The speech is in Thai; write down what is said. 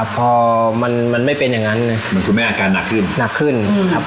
พอมันมันไม่เป็นอย่างนั้นมันคุณแม่อาการหนักขึ้นหนักขึ้นครับ